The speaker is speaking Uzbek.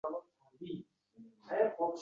Ilma-teshik bagʼrim — nay.